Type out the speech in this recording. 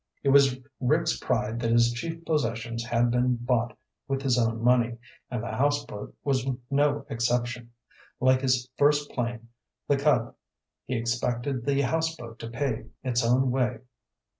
It was Rick's pride that his chief possessions had been bought with his own money, and the houseboat was no exception. Like his first plane, the Cub, he expected the houseboat to pay its own way.